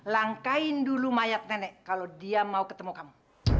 langkain dulu mayat nenek kalau dia mau ketemu kamu